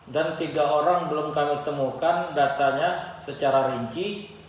dan tiga orang belum kami temukan datanya secara rinci